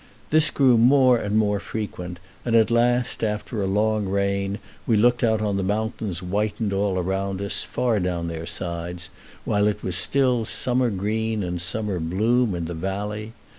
This grew more and more frequent, and at last, after a long rain, we looked out on the mountains whitened all round us far down their sides, while it was still summer green and summer bloom in the valley.